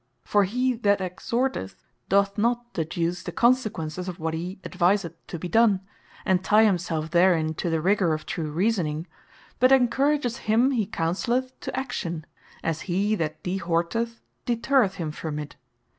For he that Exhorteth, doth not deduce the consequences of what he adviseth to be done, and tye himselfe therein to the rigour of true reasoning; but encourages him he Counselleth, to Action: As he that Dehorteth, deterreth him from it.